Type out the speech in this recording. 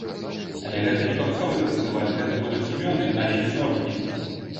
Але гэта не папсовы фестываль, гэта будуць імёны, але не зоркі.